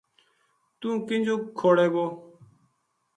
توہ کینجو کھوڑے گو